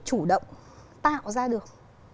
chủ động tạo ra được